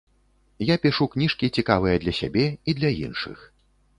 Я пішу кніжкі цікавыя для сябе і для іншых.